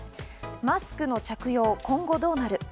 マスクの着用、今後どうなる？